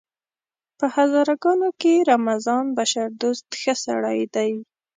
په هزاره ګانو کې رمضان بشردوست ښه سړی دی!